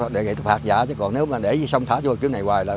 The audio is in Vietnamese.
đề nghị tục hạt giả chứ còn nếu mà để sông thả vô kiểu này hoài là